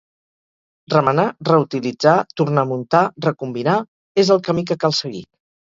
Remenar, reutilitzar, tornar a muntar, recombinar: és el camí que cal seguir.